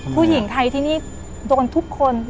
ผู้หญิงไทยที่นี่โดนทุกคน